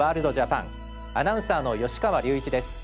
アナウンサーの芳川隆一です。